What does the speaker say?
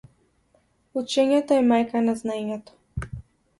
Учењето е мајка на знаењето.